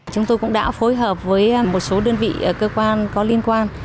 chúng tôi cũng đã phối hợp với một số đơn vị cơ quan có liên quan